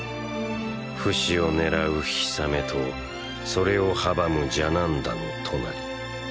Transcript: フシを狙うヒサメとそれを阻むジャナンダのトナリ。